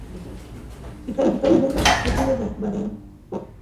La capital alberga la tumba de Baden-Powell.